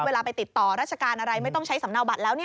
เวลาไปติดต่อราชการอะไรไม่ต้องใช้สำเนาบัตรแล้ว